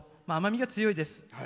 まあ甘みが強いです。